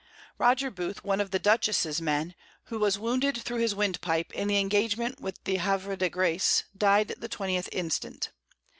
Roger Booth, one of the Dutchess's Men, who was wounded through his Wind pipe, in the Engagement with the Havre de Grace, died the 20th Instant.